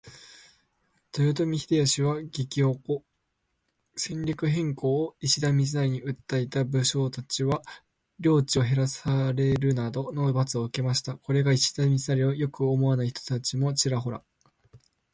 豊臣秀吉は激怒。戦略変更を石田三成に訴えた武将達は領地を減らされるなどの処罰を受けました。これが原因で石田三成を良く思わない人たちもちらほら。